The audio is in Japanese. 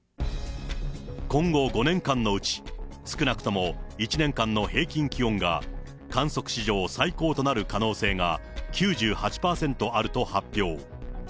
今後５年間のうち、少なくとも１年間の平均気温が、観測史上最高となる可能性が、９８％あると発表。